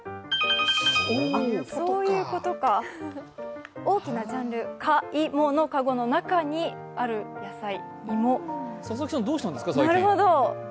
あ、そういうことか、大きなジャンル、「かいものかご」の中にある野菜。